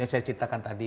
yang saya ceritakan tadi